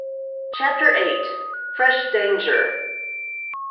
] CHAPTER VIII. FRESH DANGER.